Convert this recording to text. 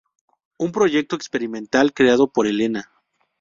Un proyecto experimental creado por Helena.